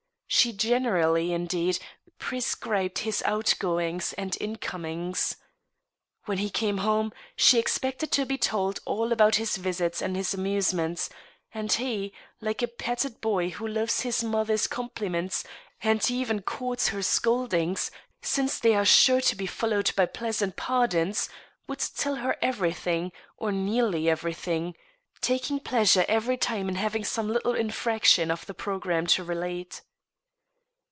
She generally, indeed, prescribed his outgoings and incomings. When he came home, she expected to be told all about his visits ^ and his amusements ; and he, like a petted boy who loves his moth er's compliments, and even courts her scoldings, since they are sure to be followed by pFeasant pardons, would tell her everjrthing — or nearly ever3rthing — taking pleasure every time in having some little infraction of the programme to relate.